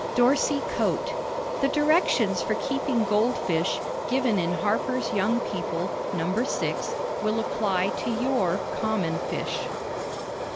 DORSEY COATE. The directions for keeping gold fish, given in Harper's Young People, No. 6, will apply to your "common fish."